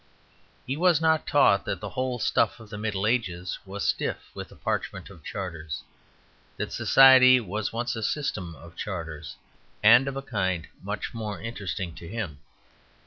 He was not taught that the whole stuff of the Middle Ages was stiff with the parchment of charters; that society was once a system of charters, and of a kind much more interesting to him.